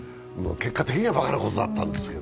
結果的にはばかなことだったんですけど。